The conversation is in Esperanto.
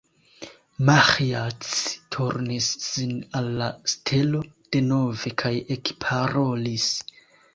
Maĥiac turnis sin al la stelo denove, kaj ekparolis.